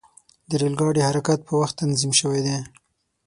د ریل ګاډي حرکت په وخت تنظیم شوی دی.